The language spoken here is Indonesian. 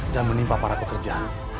dan menimpa para pekerja